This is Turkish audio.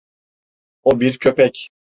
O bir köpek.